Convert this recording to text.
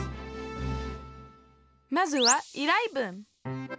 まずは依頼文